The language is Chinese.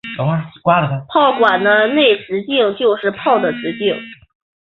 炮管的内直径就是炮的口径。